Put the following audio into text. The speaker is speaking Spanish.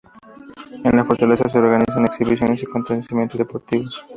En la fortaleza se organizan exhibiciones y acontecimientos deportivos.